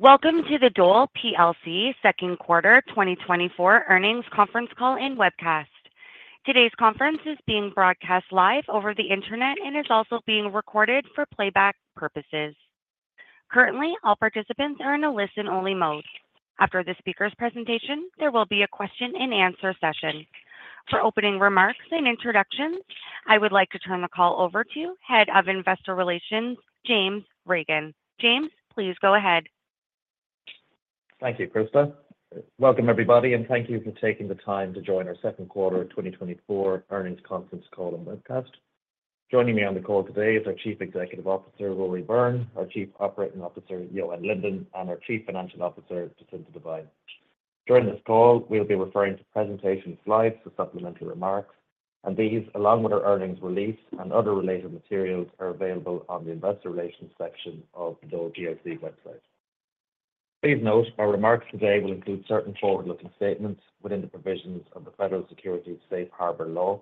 Welcome to the Dole plc Second Quarter 2024 Earnings Conference Call and Webcast. Today's conference is being broadcast live over the Internet and is also being recorded for playback purposes. Currently, all participants are in a listen-only mode. After the speaker's presentation, there will be a question-and-answer session. For opening remarks and introductions, I would like to turn the call over to Head of Investor Relations, James O'Regan. James, please go ahead. Thank you, Krista. Welcome, everybody, and thank you for taking the time to join our second quarter of 2024 earnings conference call and webcast. Joining me on the call today is our Chief Executive Officer, Rory Byrne, our Chief Operating Officer, Johan Lindén, and our Chief Financial Officer, Jacinta Devine. During this call, we'll be referring to presentation slides for supplemental remarks, and these, along with our earnings release and other related materials, are available on the investor relations section of the Dole plc website. Please note, our remarks today will include certain forward-looking statements within the provisions of the Federal Securities Safe Harbor Law.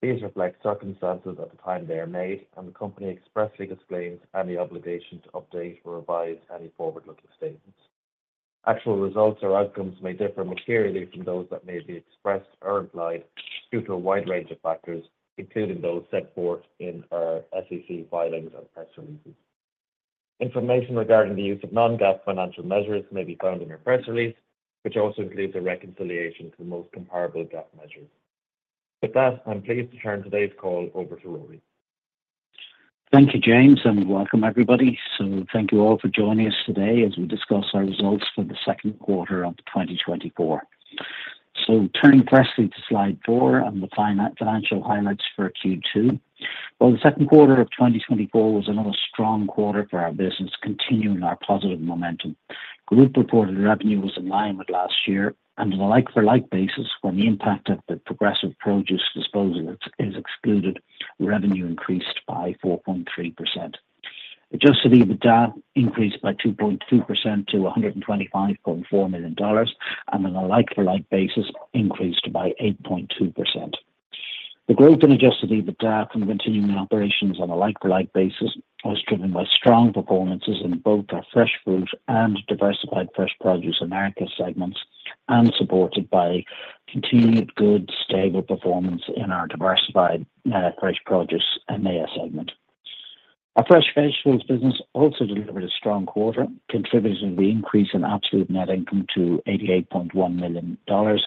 These reflect circumstances at the time they are made, and the company expressly disclaims any obligation to update or revise any forward-looking statements. Actual results or outcomes may differ materially from those that may be expressed or implied due to a wide range of factors, including those set forth in our SEC filings and press releases. Information regarding the use of non-GAAP financial measures may be found in our press release, which also includes a reconciliation to the most comparable GAAP measures. With that, I'm pleased to turn today's call over to Rory. Thank you, James, and welcome, everybody. So thank you all for joining us today as we discuss our results for the second quarter of 2024. So turning firstly to slide 4 and the financial highlights for Q2. Well, the second quarter of 2024 was another strong quarter for our business, continuing our positive momentum. Group reported revenue was in line with last year, and on a like-for-like basis, when the impact of the Progressive Produce disposal is excluded, revenue increased by 4.3%. Adjusted EBITDA increased by 2.2% to $125.4 million, and on a like-for-like basis, increased by 8.2%. The growth in Adjusted EBITDA from continuing operations on a like-for-like basis was driven by strong performances in both our Fresh Fruit and Diversified Fresh Produce Americas segments and supported by continued good, stable performance in our Diversified Fresh Produce EMEA segment. Our Fresh Vegetables business also delivered a strong quarter, contributing to the increase in absolute net income to $88.1 million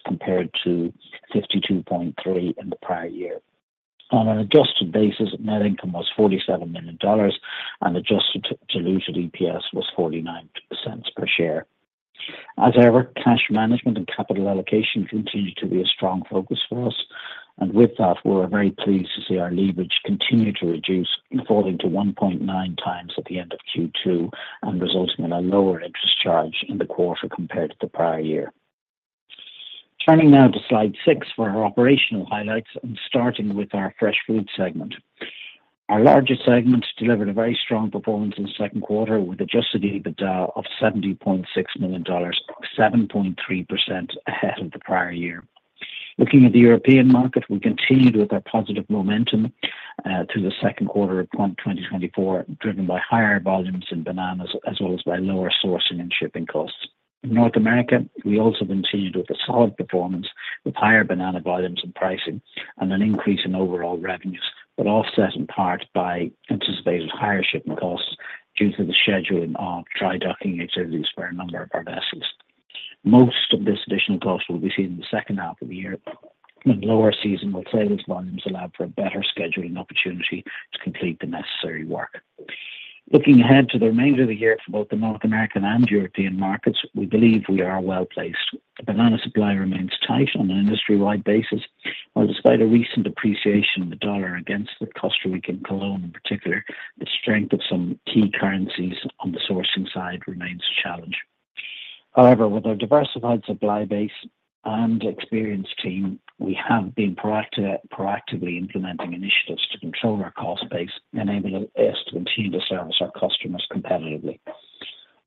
compared to $52.3 million in the prior year. On an adjusted basis, net income was $47 million, and Adjusted Diluted EPS was $0.49 per share. As ever, cash management and capital allocation continued to be a strong focus for us. With that, we're very pleased to see our leverage continue to reduce, falling to 1.9x at the end of Q2 and resulting in a lower interest charge in the quarter compared to the prior year. Turning now to slide 6 for our operational highlights and starting with Fresh Fruit segment. Our largest segment delivered a very strong performance in the second quarter, with Adjusted EBITDA of $70.6 million, 7.3% ahead of the prior year. Looking at the European market, we continued with our positive momentum through the second quarter of 2024, driven by higher volumes in bananas, as well as by lower sourcing and shipping costs. In North America, we also continued with a solid performance with higher banana volumes and pricing and an increase in overall revenues, but offset in part by anticipated higher shipping costs due to the scheduling of dry docking activities for a number of our vessels. Most of this additional cost will be seen in the second half of the year, when lower seasonal sales volumes allow for a better scheduling opportunity to complete the necessary work. Looking ahead to the remainder of the year for both the North American and European markets, we believe we are well-placed. Banana supply remains tight on an industry-wide basis, while despite a recent appreciation of the dollar against the Costa Rican colon, in particular, the strength of some key currencies on the sourcing side remains a challenge. However, with our diversified supply base and experienced team, we have been proactively implementing initiatives to control our cost base, enabling us to continue to service our customers competitively.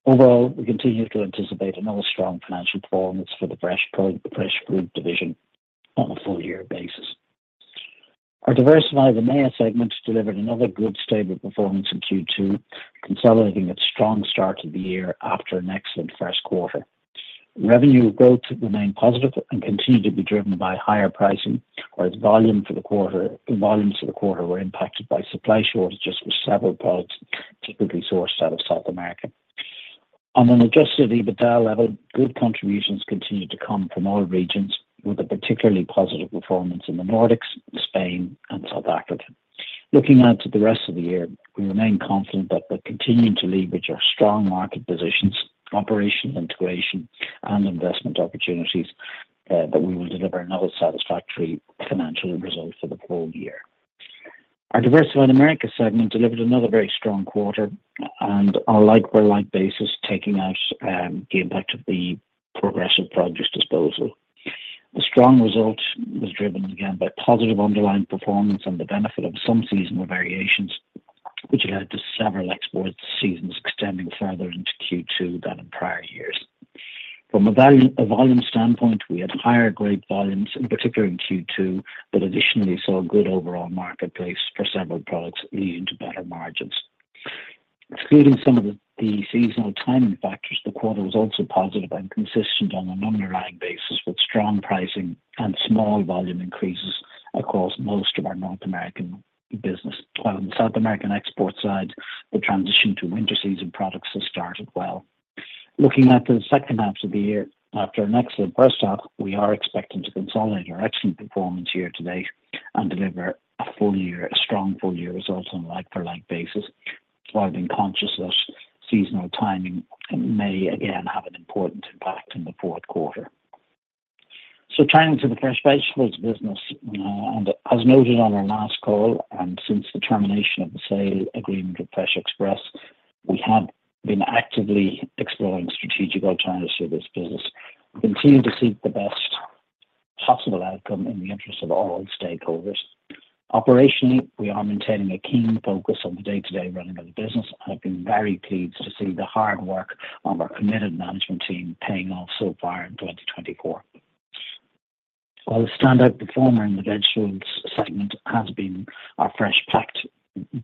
Overall, we continue to anticipate another strong financial performance for Fresh Fruit division on a full year basis. Our Diversified EMEA segment delivered another good, stable performance in Q2, consolidating its strong start to the year after an excellent first quarter. Revenue growth remained positive and continued to be driven by higher pricing, whereas volumes for the quarter were impacted by supply shortages with several products typically sourced out of South America. On an adjusted EBITDA level, good contributions continued to come from all regions, with a particularly positive performance in the Nordics, Spain, and South Africa. Looking out to the rest of the year, we remain confident that by continuing to leverage our strong market positions, operational integration, and investment opportunities, that we will deliver another satisfactory financial result for the full year. Our Diversified Americas segment delivered another very strong quarter and on a like-for-like basis, taking out the impact of the Progressive Produce disposal. The strong result was driven again by positive underlying performance and the benefit of some seasonal variations, which led to several export seasons extending further into Q2 than in prior years. From a value, a volume standpoint, we had higher grape volumes, in particular in Q2, but additionally saw a good overall marketplace for several products leading to better margins. Excluding some of the seasonal timing factors, the quarter was also positive and consistent on an underlying basis, with strong pricing and small volume increases across most of our North American business. While on the South American export side, the transition to winter season products has started well. Looking at the second half of the year, after an excellent first half, we are expecting to consolidate our excellent performance year to date and deliver a full year, a strong full-year results on a like-for-like basis, while being conscious that seasonal timing may again have an important impact in the fourth quarter. So turning to the Fresh Vegetables business, and as noted on our last call and since the termination of the sale agreement with Fresh Express, we have been actively exploring strategic alternatives for this business. We continue to seek the best possible outcome in the interest of all stakeholders. Operationally, we are maintaining a keen focus on the day-to-day running of the business. I've been very pleased to see the hard work of our committed management team paying off so far in 2024. While the standout performer in the vegetables segment has been our Fresh Packed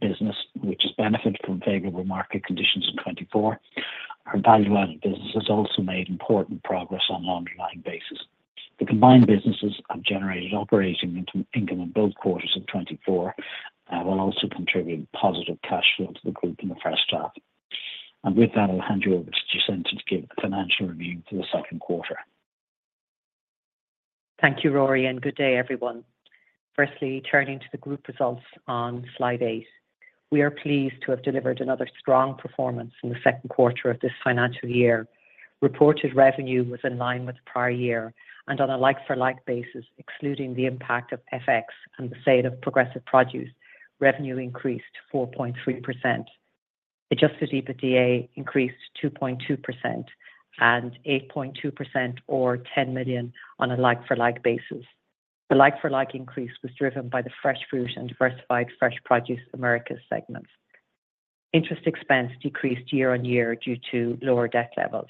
business, which has benefited from favorable market conditions in 2024, our Value Added business has also made important progress on an underlying basis. The combined businesses have generated operating income in both quarters of 2024, will also contribute positive cash flow to the group in the first half. With that, I'll hand you over to Jacinta to give the financial review for the second quarter. Thank you, Rory, and good day, everyone. Firstly, turning to the group results on Slide 8. We are pleased to have delivered another strong performance in the second quarter of this financial year. Reported revenue was in line with the prior year and on a like-for-like basis, excluding the impact of FX and the sale of Progressive Produce, revenue increased 4.3%. Adjusted EBITDA increased 2.2% and 8.2% or $10 million on a like-for-like basis. The like-for-like increase was driven by the Fresh Fruit and Diversified Fresh Produce Americas segments. Interest expense decreased year-on-year due to lower debt levels.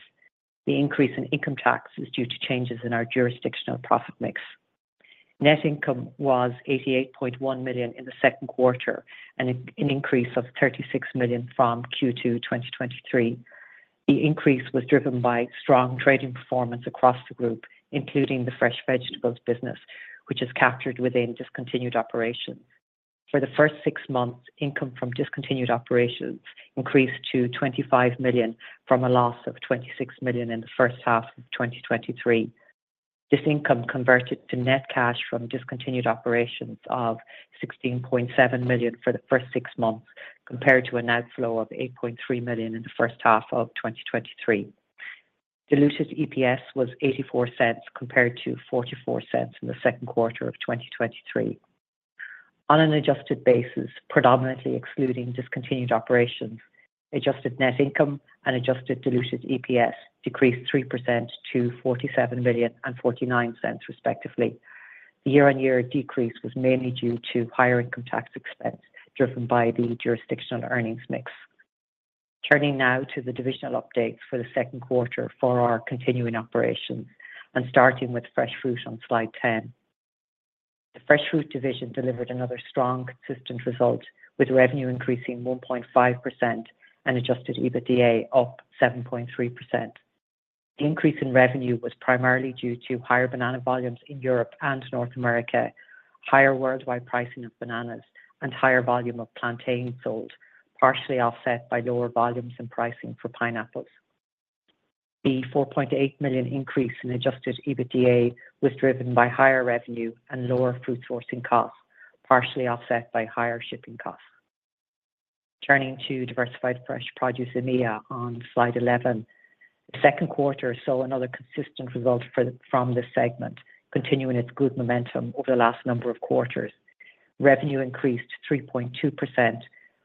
The increase in income tax is due to changes in our jurisdictional profit mix. Net income was $88.1 million in the second quarter and an increase of $36 million from Q2 2023. The increase was driven by strong trading performance across the group, including the Fresh Vegetables business, which is captured within discontinued operations. For the first six months, income from discontinued operations increased to $25 million, from a loss of $26 million in the first half of 2023. This income converted to net cash from discontinued operations of $16.7 million for the first six months, compared to an outflow of $8.3 million in the first half of 2023. Diluted EPS was $0.84, compared to $0.44 in the second quarter of 2023. On an adjusted basis, predominantly excluding discontinued operations, adjusted net income and adjusted diluted EPS decreased 3% to $47 million and $0.49, respectively. The year-on-year decrease was mainly due to higher income tax expense, driven by the jurisdictional earnings mix. Turning now to the divisional updates for the second quarter for our continuing operations and starting with Fresh Fruit on slide 10. The Fresh Fruit division delivered another strong, consistent result, with revenue increasing 1.5% and adjusted EBITDA up 7.3%. The increase in revenue was primarily due to higher banana volumes in Europe and North America, higher worldwide pricing of bananas, and higher volume of plantains sold, partially offset by lower volumes and pricing for pineapples. The $4.8 million increase in adjusted EBITDA was driven by higher revenue and lower fruit sourcing costs, partially offset by higher shipping costs. Turning to Diversified Fresh Produce EMEA on slide 11. The second quarter saw another consistent result for, from this segment, continuing its good momentum over the last number of quarters. Revenue increased 3.2%,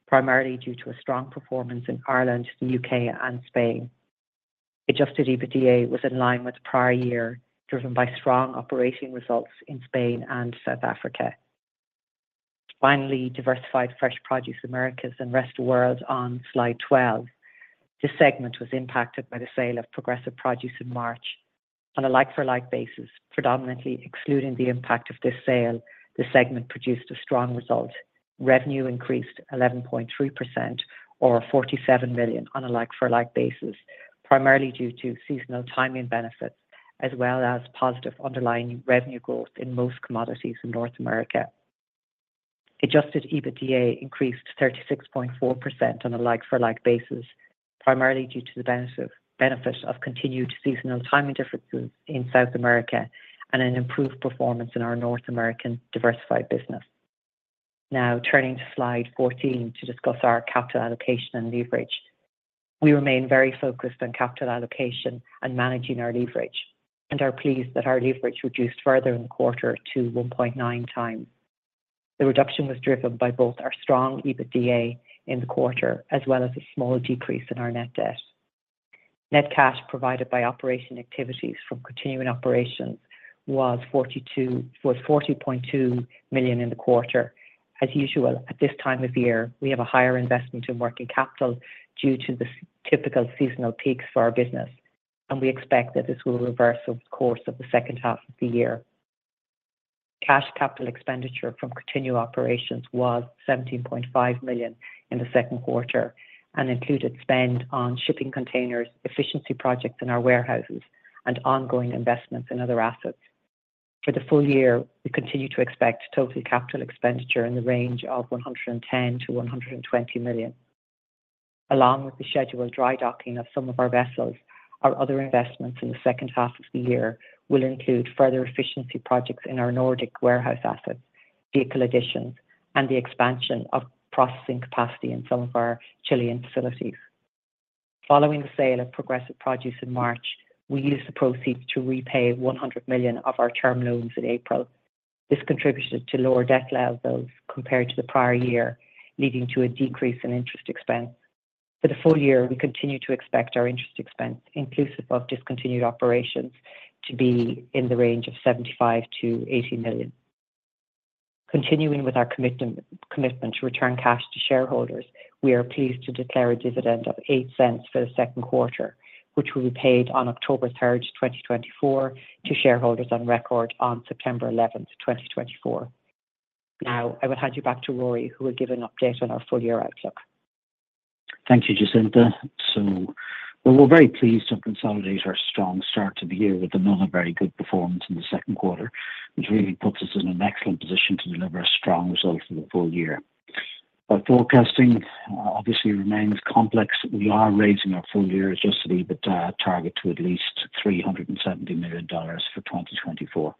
primarily due to a strong performance in Ireland, the UK and Spain. Adjusted EBITDA was in line with the prior year, driven by strong operating results in Spain and South Africa. Finally, Diversified Fresh Produce Americas and Rest of World on slide 12. This segment was impacted by the sale of Progressive Produce in March. On a like-for-like basis, predominantly excluding the impact of this sale, the segment produced a strong result. Revenue increased 11.3% or $47 million on a like-for-like basis, primarily due to seasonal timing benefits, as well as positive underlying revenue growth in most commodities in North America. Adjusted EBITDA increased 36.4% on a like-for-like basis, primarily due to the benefit of continued seasonal timing differences in South America and an improved performance in our North American diversified business. Now turning to slide 14 to discuss our capital allocation and leverage. We remain very focused on capital allocation and managing our leverage and are pleased that our leverage reduced further in the quarter to 1.9x. The reduction was driven by both our strong EBITDA in the quarter, as well as a small decrease in our net debt. Net cash provided by operating activities from continuing operations was $42, was $40.2 million in the quarter. As usual, at this time of year, we have a higher investment in working capital due to the typical seasonal peaks for our business, and we expect that this will reverse over the course of the second half of the year. Cash capital expenditure from continued operations was $17.5 million in the second quarter and included spend on shipping containers, efficiency projects in our warehouses, and ongoing investments in other assets. For the full year, we continue to expect total capital expenditure in the range of $110 million-$120 million. Along with the scheduled dry docking of some of our vessels, our other investments in the second half of the year will include further efficiency projects in our Nordic warehouse assets, vehicle additions, and the expansion of processing capacity in some of our Chilean facilities. Following the sale of Progressive Produce in March, we used the proceeds to repay $100 million of our term loans in April. This contributed to lower debt levels compared to the prior year, leading to a decrease in interest expense. For the full year, we continue to expect our interest expense, inclusive of discontinued operations, to be in the range of $75 million-$80 million. Continuing with our commitment to return cash to shareholders, we are pleased to declare a dividend of $0.08 for the second quarter, which will be paid on October third, 2024, to shareholders on record on September eleventh, 2024. Now, I will hand you back to Rory, who will give an update on our full-year outlook. Thank you, Jacinta. So well, we're very pleased to consolidate our strong start to the year with another very good performance in the second quarter, which really puts us in an excellent position to deliver a strong result for the full year. Our forecasting obviously remains complex. We are raising our full year adjusted EBIT target to at least $370 million for 2024.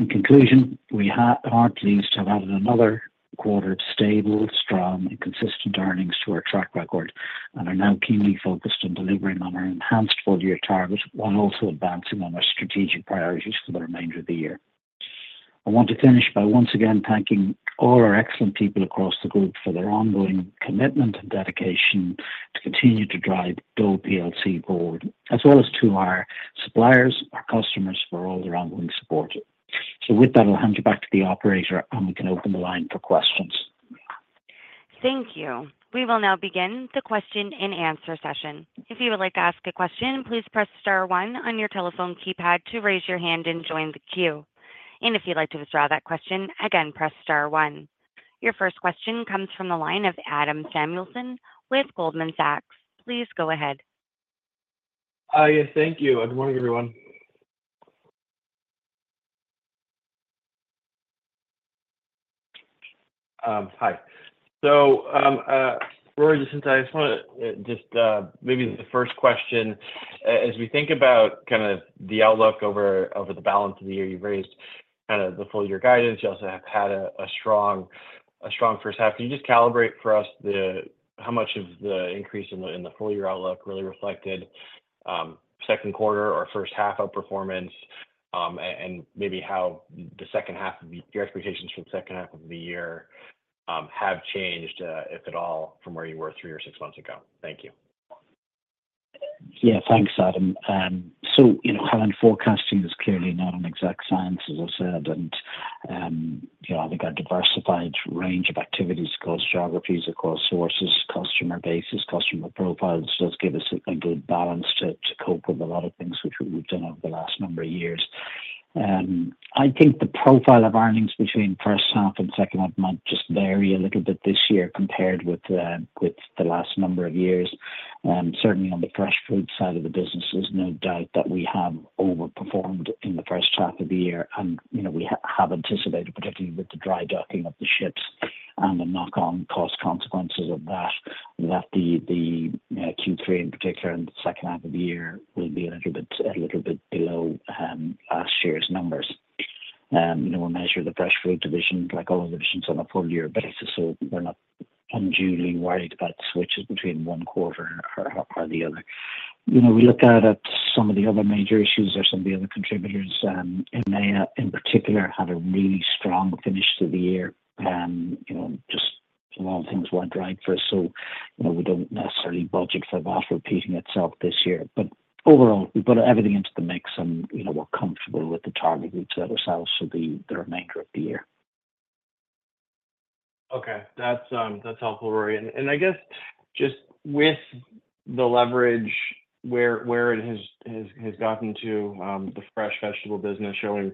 In conclusion, we are pleased to have added another quarter of stable, strong, and consistent earnings to our track record and are now keenly focused on delivering on our enhanced full-year target, while also advancing on our strategic priorities for the remainder of the year. I want to finish by once again thanking all our excellent people across the group for their ongoing commitment and dedication to continue to drive Dole plc forward, as well as to our suppliers, our customers, for all their ongoing support. With that, I'll hand you back to the operator, and we can open the line for questions. Thank you. We will now begin the question-and-answer session. If you would like to ask a question, please press star one on your telephone keypad to raise your hand and join the queue. If you'd like to withdraw that question, again, press star one. Your first question comes from the line of Adam Samuelson with Goldman Sachs. Please go ahead. Yeah, thank you. Good morning, everyone. Hi. So, Rory, just since I just wanna, just, maybe the first question, as we think about kind of the outlook over, over the balance of the year, you've raised kind of the full year guidance. You also have had a, a strong, a strong first half. Can you just calibrate for us the how much of the increase in the, in the full year outlook really reflected, second quarter or first half outperformance, and maybe how the second half of the your expectations for the second half of the year, have changed, if at all, from where you were three or six months ago? Thank you. Yeah. Thanks, Adam. So, you know, planning and forecasting is clearly not an exact science, as I said, and, you know, I think our diversified range of activities across geographies, across sources, customer bases, customer profiles, does give us a good balance to cope with a lot of things, which we've done over the last number of years. I think the profile of earnings between first half and second half might just vary a little bit this year compared with the last number of years. Certainly on Fresh Fruits side of the business, there's no doubt that we have overperformed in the first half of the year. You know, we have anticipated, particularly with the dry docking of the ships and the knock-on cost consequences of that, that the Q3 in particular, and the second half of the year will be a little bit, a little bit below last year's numbers. You know, we'll measure Fresh Fruit division, like all the divisions, on a full year basis, so we're not unduly worried about the switches between one quarter or the other. You know, we look out at some of the other major issues or some of the other contributors, and they in particular had a really strong finish to the year. You know, just a lot of things went right for us, so, you know, we don't necessarily budget for that repeating itself this year. But overall, we've put everything into the mix and, you know, we're comfortable with the target we've set ourselves for the remainder of the year. Okay. That's, that's helpful, Rory. And I guess just with the leverage where it has gotten to, the Fresh Vegetable business showing,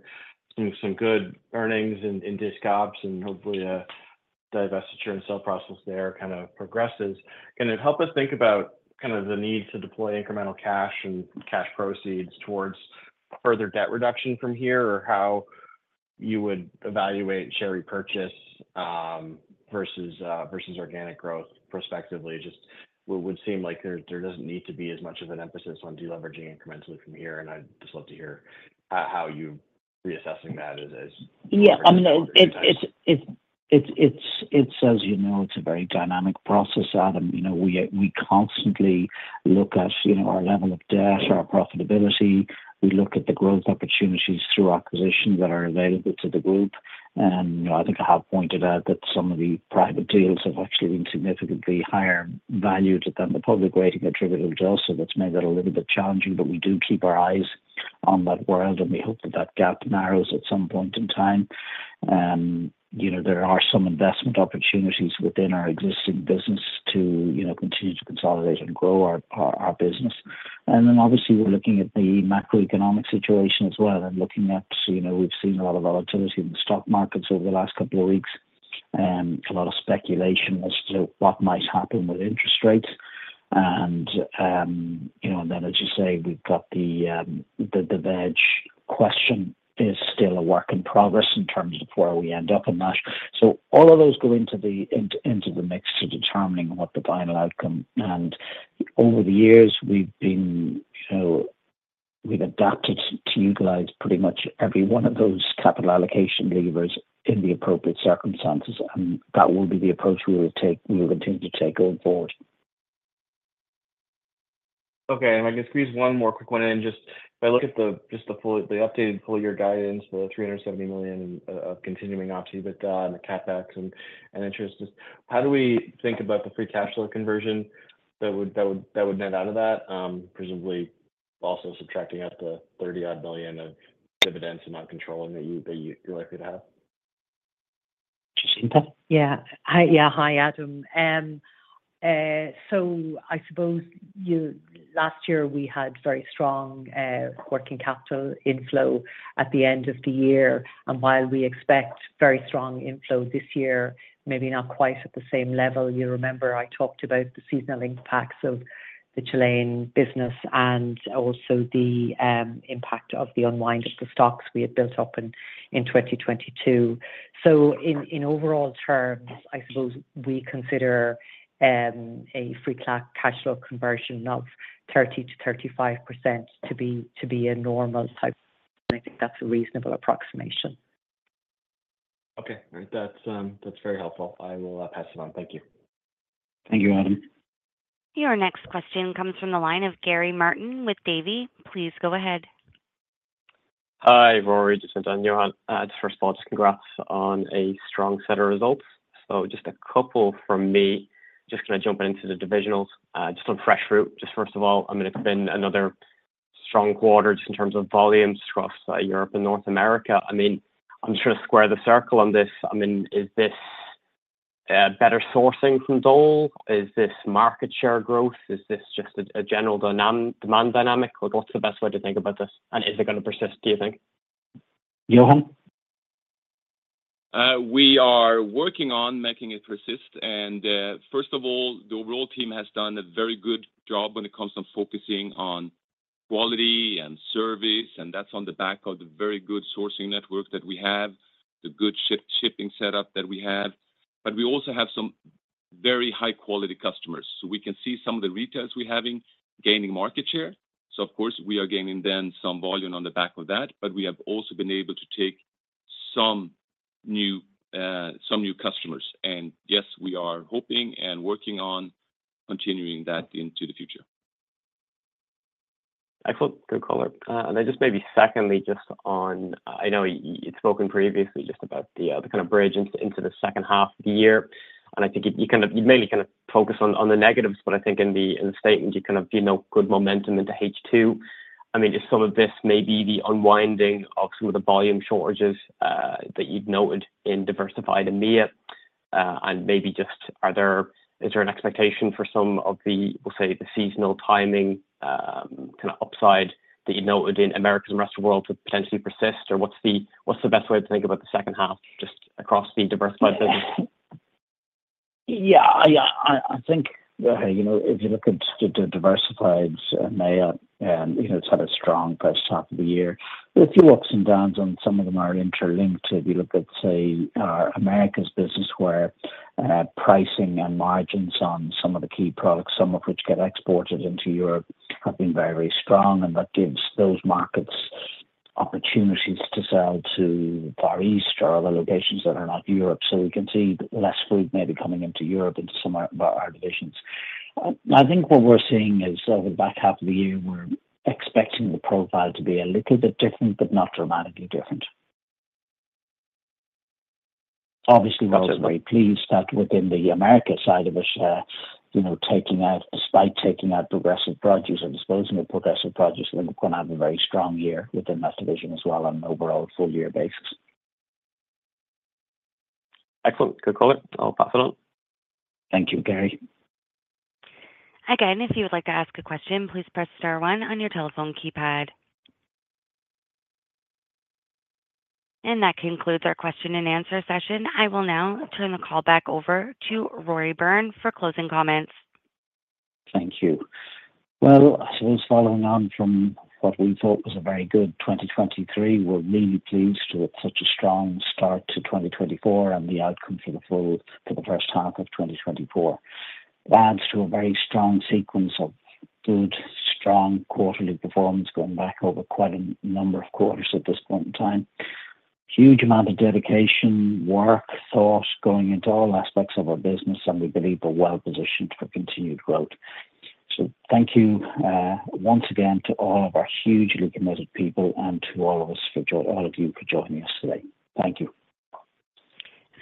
you know, some good earnings in disc ops and hopefully a divestiture and sale process there kind of progresses, can you help us think about kind of the need to deploy incremental cash and cash proceeds towards further debt reduction from here? Or how you would evaluate share repurchase versus organic growth prospectively? Just what would seem like there doesn't need to be as much of an emphasis on deleveraging incrementally from here, and I'd just love to hear how you reassessing that as- Yeah, I mean, as you know, it's a very dynamic process, Adam. You know, we constantly look at, you know, our level of debt, our profitability. We look at the growth opportunities through acquisitions that are available to the group. And I think I have pointed out that some of the private deals have actually been significantly higher valued than the public rating attributable to us, so that's made it a little bit challenging. But we do keep our eyes on that world, and we hope that that gap narrows at some point in time. You know, there are some investment opportunities within our existing business to, you know, continue to consolidate and grow our business. Obviously, we're looking at the macroeconomic situation as well and looking at, so, you know, we've seen a lot of volatility in the stock markets over the last couple of weeks, a lot of speculation as to what might happen with interest rates. And, you know, and then, as you say, we've got the veg question is still a work in progress in terms of where we end up in that. So all of those go into the mix to determining what the final outcome. And over the years, we've been, you know, we've adapted to utilize pretty much every one of those capital allocation levers in the appropriate circumstances, and that will be the approach we will take, we will continue to take going forward. Okay. And if I can squeeze one more quick one in. Just if I look at the, just the full, the updated full year guidance for the $370 million of continuing ops, but the CapEx and interest, just how do we think about the free cash flow conversion that would net out of that? Presumably also subtracting out the $30 million of dividends and non-controlling that you feel like you'd have. Jacinta? Yeah. Hi. Yeah, hi, Adam. So I suppose you last year we had very strong working capital inflow at the end of the year, and while we expect very strong inflow this year, maybe not quite at the same level. You remember I talked about the seasonal impacts of the Chilean business and also the impact of the unwind of the stocks we had built up in 2022. So in overall terms, I suppose we consider a free cash flow conversion of 30%-35% to be a normal type, and I think that's a reasonable approximation. Okay, all right. That's, that's very helpful. I will, pass it on. Thank you. Thank you, Adam. Your next question comes from the line of Gary Martin with Davy. Please go ahead. Hi, Rory, Jacinta, and Johan. Just first of all, just congrats on a strong set of results. So just a couple from me. Just kind of jumping into the divisionals, just on Fresh Fruit, just first of all, I mean, it's been another strong quarter just in terms of volumes across, Europe and North America. I mean, I'm sure to square the circle on this, I mean, is this, better sourcing from Dole? Is this market share growth? Is this just a, a general demand dynamic, or what's the best way to think about this? And is it gonna persist, do you think? Johan? We are working on making it persist. First of all, the overall team has done a very good job when it comes to focusing on quality and service, and that's on the back of the very good sourcing network that we have, the good shipping setup that we have. But we also have some very high-quality customers. So we can see some of the retailers we have in gaining market share. So of course, we are gaining then some volume on the back of that, but we have also been able to take some new, some new customers. And yes, we are hoping and working on continuing that into the future. Excellent. Good call. And then just maybe secondly, just on... I know you've spoken previously just about the, the kind of bridge into, into the second half of the year, and I think you, you kind of, you mainly kind of focus on, on the negatives, but I think in the, in the statement, you kind of, you know, good momentum into H2. I mean, just some of this may be the unwinding of some of the volume shortages, that you'd noted in diversified in EMEA. And maybe just are there, is there an expectation for some of the, we'll say, the seasonal timing, kind of upside that you'd noted in Americas and rest of world would potentially persist, or what's the, what's the best way to think about the second half, just across the diversified business? Yeah, I think, you know, if you look at the diversified EMEA, you know, it's had a strong first half of the year. There are a few ups and downs, and some of them are interlinked. If you look at, say, our Americas business, where pricing and margins on some of the key products, some of which get exported into Europe, have been very strong, and that gives those markets opportunities to sell to Far East or other locations that are not Europe. So we can see less fruit maybe coming into Europe, into some of our divisions. I think what we're seeing is over the back half of the year, we're expecting the profile to be a little bit different, but not dramatically different. Obviously, we're very pleased that within the America side of it, you know, despite taking out Progressive Produce or disposing of Progressive Produce, we're gonna have a very strong year within that division as well on an overall full year basis. Excellent. Good call. I'll pass it on. Thank you, Gary. Again, if you would like to ask a question, please press star one on your telephone keypad. That concludes our question and answer session. I will now turn the call back over to Rory Byrne for closing comments. Thank you. Well, I suppose following on from what we thought was a very good 2023, we're really pleased to have such a strong start to 2024 and the outcome for the first half of 2024. It adds to a very strong sequence of good, strong quarterly performance, going back over quite a number of quarters at this point in time. Huge amount of dedication, work, thought, going into all aspects of our business, and we believe we're well positioned for continued growth. So thank you, once again, to all of our hugely committed people and to all of you for joining us today. Thank you.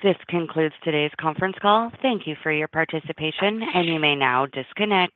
This concludes today's conference call. Thank you for your participation, and you may now disconnect.